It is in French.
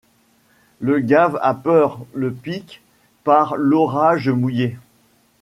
Le gave a peur, le pic, par l’orage mouillé